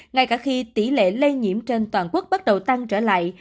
ngay cả khi tỷ lệ lây nhiễm trên toàn quốc bắt đầu tăng trở lại